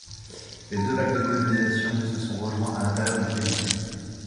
Les deux vagues de colonisation se sont rejoints à l'intérieur du pays.